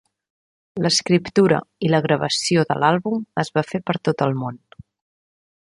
L'escriptura i la gravació de l'àlbum es va fer per tot el món.